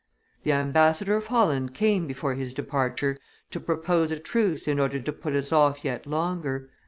The ambassador of Holland came, before his departure, to propose a truce in order to put us off yet longer.